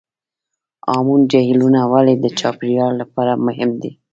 هامون جهیلونه ولې د چاپیریال لپاره مهم دي؟